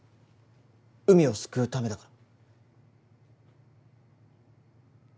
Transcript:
うみを救うためだから。